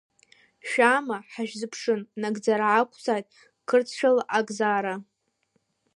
Шәаама, ҳашәзыԥшын, нагӡара ақәзааит Қырҭшәала акзаара!